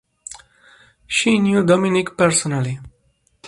She knew Dominic personally.